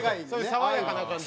爽やかな感じ？